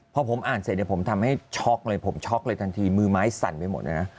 พอผมอ่านเสร็จเนี่ยผมทำให้ช็อกเลยผมช็อกเลยทันทีมือไม้สั่นไปหมดเลยนะ